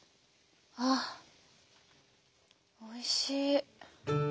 ああおいしい。